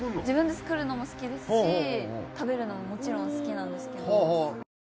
自分で作るのも好きですし食べるのももちろん好きなんですけど。